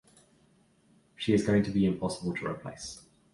She is going to be impossible to replace.